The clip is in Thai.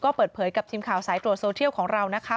ก็เปิดเผยกับทีมข่าวสายตรวจโซเทียลของเรานะคะ